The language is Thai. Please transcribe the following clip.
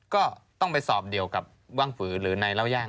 ก็ต้องไปสอบเดียวกับว่างฝือหรือในเล่าย่าง